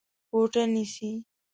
کوټه نيسې؟